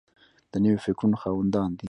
د نویو فکرونو خاوندان دي.